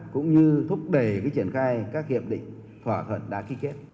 cũng như thúc đẩy triển khai các hiệp định thỏa thuận đã ký kết